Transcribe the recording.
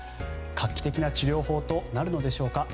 画期的な治療法となるのでしょうか。